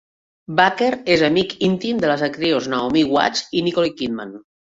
Baker és amic íntim de les actrius Naomi Watts i Nicole Kidman.